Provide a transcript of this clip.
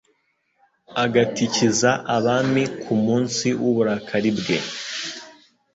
agatikiza abami ku munsi w’uburakari bwe